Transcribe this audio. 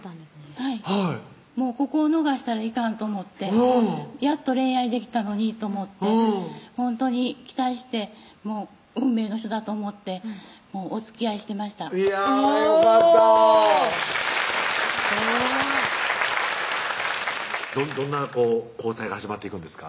はいここを逃したらいかんと思ってやっと恋愛できたのにと思ってほんとに期待して運命の人だと思っておつきあいしましたいやよかったすごいどんな交際が始まっていくんですか？